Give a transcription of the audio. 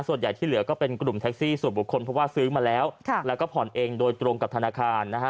ส่วนใหญ่ที่เหลือก็เป็นกลุ่มแท็กซี่ส่วนบุคคลเพราะว่าซื้อมาแล้วแล้วก็ผ่อนเองโดยตรงกับธนาคารนะฮะ